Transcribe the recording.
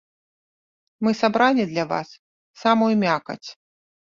Мы сабралі для вас самую мякаць.